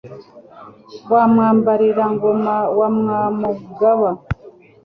Wa Mwambarira ngoma wa Mwamugaba,